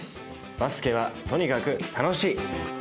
「バスケはとにかく楽しい！」。